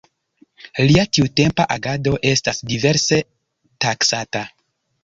Lia tiutempa agado estas diverse taksata.